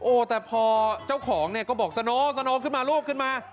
โอ้แต่พอเจ้าของก็บอกสโน่สโน่ขึ้นมาลูกขึ้นมา